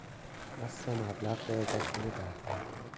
اصل مبلغ به اضافهی بهره